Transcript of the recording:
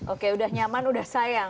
oke sudah nyaman sudah sayang